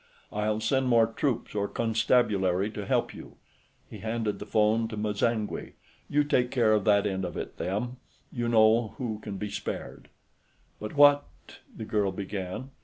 I'll send more troops, or Constabulary, to help you." He handed the phone to M'zangwe. "You take care of that end of it, Them; you know who can be spared." "But, what ...?" the girl began.